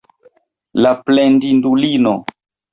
La plendindulino!